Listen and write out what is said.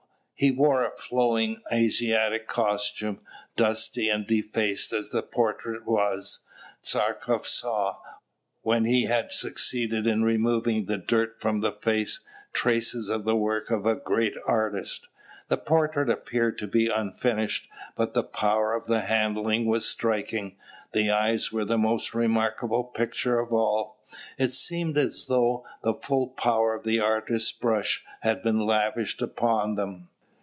He wore a flowing Asiatic costume. Dusty and defaced as the portrait was, Tchartkoff saw, when he had succeeded in removing the dirt from the face, traces of the work of a great artist. The portrait appeared to be unfinished, but the power of the handling was striking. The eyes were the most remarkable picture of all: it seemed as though the full power of the artist's brush had been lavished upon them.